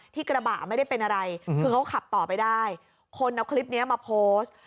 กระบะไม่ได้เป็นอะไรคือเขาขับต่อไปได้คนเอาคลิปนี้มาโพสต์